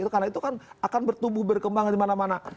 karena itu kan akan bertumbuh berkembang di mana mana